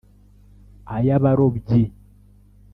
ay'abarobyi